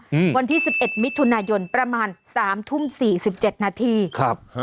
อืมวันที่สิบเอ็ดมิถุนายนประมาณสามทุ่มสี่สิบเจ็ดนาทีครับฮะ